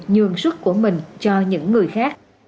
nhường sức của mình cho những người khác